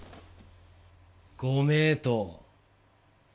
ご名答。